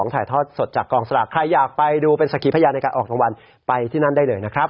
กูจะกดสักครีพให้อย่างในการออกทางวันไปที่นั่นได้เลยนะครับ